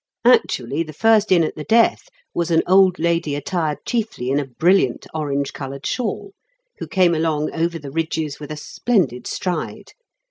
Actually the first in at the death was an old lady attired chiefly in a brilliant orange coloured shawl, who came along over the ridges with a splendid stride.